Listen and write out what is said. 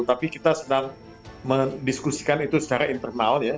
tapi kita sedang mendiskusikan itu secara internal ya